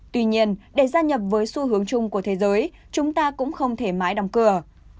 tuy nhiên để gia nhập với xu hướng chung của thế giới chúng ta cũng không thể mãi đóng cửa